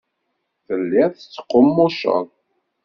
Telliḍ tettqummuceḍ.